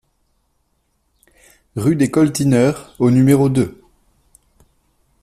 Rue des Coltineurs au numéro deux